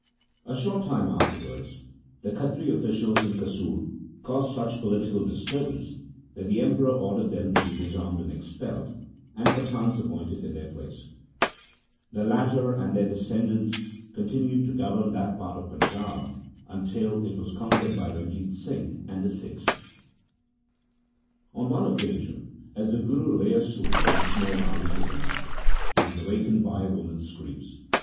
A short time afterwards the Khatri officials in Kasur caused such political disturbance that the Emperor ordered them to be disarmed and expelled, and Pathans appointed in their place The latter and their descendants continued to govern that part of the Panjab until it was conquered by Ran jit Singh and the Sikhs. On one occasion, as the Guru lay asleep in the small hours of the night, he was awakened by a woman's screams.